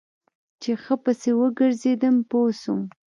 چې ښه پسې وګرځېدم پوه سوم.